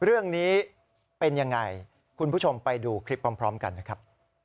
เรื่องนี้เป็นยังไงคุณผู้ชมไปดูคลิปพร้อมกันนะครับ